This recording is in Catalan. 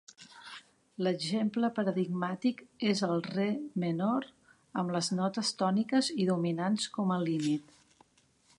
L'exemple paradigmàtic és el Re menor amb les notes tòniques i dominants com a límit.